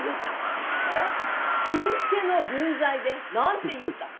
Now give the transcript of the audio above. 分家の分際で何て言うた？